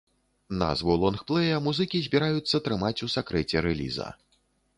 Назву лонгплэя музыкі збіраюцца трымаць у сакрэце рэліза.